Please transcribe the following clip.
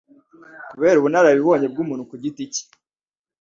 kubera ubunararibonye bw'umuntu ku giti cye.